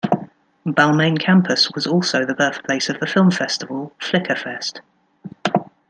Balmain Campus was also the birthplace of the film festival, Flickerfest.